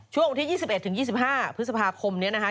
ช่วงวันที่ยี่สิบเอ็ดถึงยี่สิบห้าพฤษภาคมเนี้ยนะคะ